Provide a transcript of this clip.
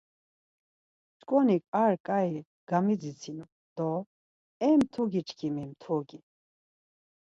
Mç̌ǩonik ar ǩai gamidzitsinu do, E mtugi çkimi, mtugi.